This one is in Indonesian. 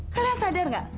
kamu sadar nggak